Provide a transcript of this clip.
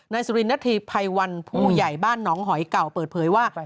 สุรินณฑีภัยวันผู้ใหญ่บ้านหนองหอยเก่าเปิดเผยว่า